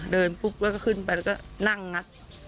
เดินปุ๊บก็ขึ้นไปแล้วก็นั่งงัด